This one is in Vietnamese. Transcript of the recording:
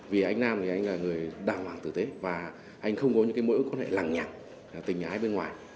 vì anh nam thì anh là người đàng hoàng tử tế và anh không có những mối ước quan hệ lắng nhạc tình ái bên ngoài